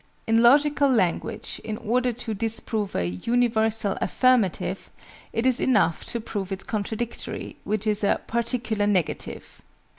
In logical language, in order to disprove a "universal affirmative," it is enough to prove its contradictory, which is a "particular negative."